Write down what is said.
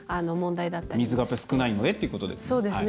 水がやっぱり少ないのでっていうことですね。